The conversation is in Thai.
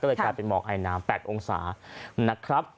ก็เลยกลายเป็นหมอกไอน้ำ๘องศานะครับ